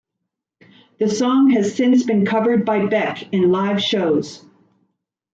The song has since been covered by Beck in live shows.